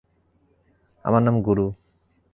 আমার নাম গুরু।